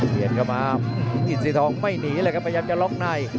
เปลี่ยนกลับมาอิสิทรองไม่หนีเลยครับพยายามจะล็อกนาย